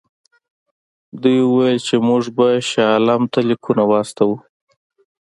دوی وویل چې موږ به شاه عالم ته لیکونه واستوو.